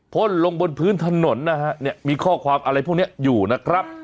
พ่นลงบนพื้นถนนนะฮะเนี่ยมีข้อความอะไรพวกนี้อยู่นะครับ